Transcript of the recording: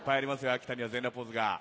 秋田には全裸ポーズが。